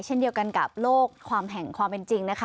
เช่นเดียวกันกับโลกความแห่งความเป็นจริงนะคะ